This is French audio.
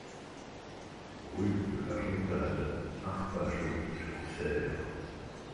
Rue de la Montade, Arpajon-sur-Cère